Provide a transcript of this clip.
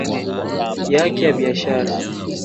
yake ya biashara